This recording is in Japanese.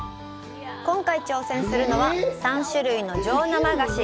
今回、挑戦するのは３種類の上生菓子。